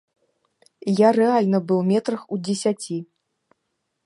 Я рэальна быў метрах у дзесяці.